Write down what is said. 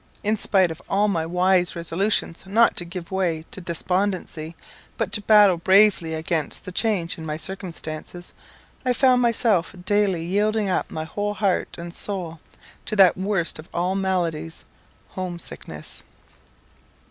In spite of all my wise resolutions not to give way to despondency, but to battle bravely against the change in my circumstances, I found myself daily yielding up my whole heart and soul to that worst of all maladies, home sickness.